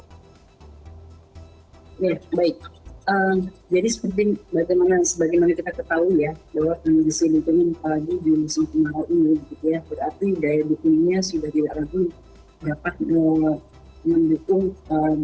ya baik jadi seperti yang kita ketahui ya bahwa kondisi lintungan apalagi di musim kemarau ini